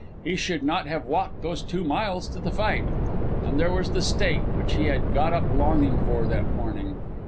He should not have walked those two miles to the fight. And there was the steak which he had got up longing for that morning.